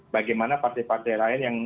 bagaimana partai partai lain yang